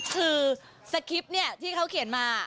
คือสคริปต์เนี่ยที่เขาเขียนมา